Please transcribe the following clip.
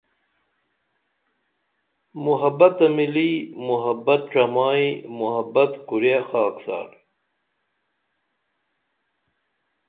محبت تہ مِلی محبت ڇمائی محبت کُریہ خاکسار